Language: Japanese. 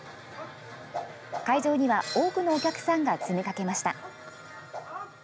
会場には多くのお客さんが詰め掛けました。